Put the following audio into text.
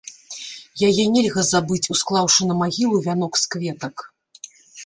Яе нельга забыць, усклаўшы на магілу вянок з кветак.